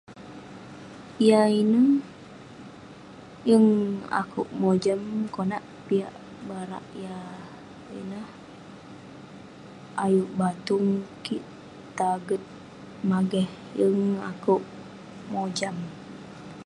Yah ineh... Yeng akouk mojam, konak piak barak yah ineh..ayuk batung kik taget mageh..Yeng akouk mojam..